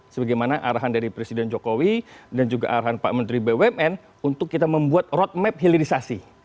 sebagaimana arahan dari presiden jokowi dan juga arahan pak menteri bumn untuk kita membuat roadmap hilirisasi